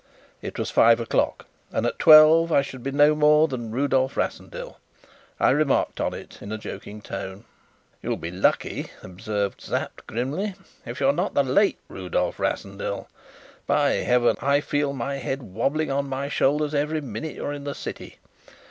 It was five o'clock, and at twelve I should be no more than Rudolf Rassendyll. I remarked on it in a joking tone. "You'll be lucky," observed Sapt grimly, "if you're not the late Rudolf Rassendyll. By Heaven! I feel my head wobbling on my shoulders every minute you're in the city.